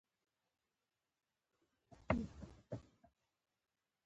برېټانیا هغه مهال له بشپړې ځوړتیا سره مخ وه